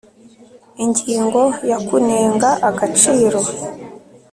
Ingingo ya kunenga agaciro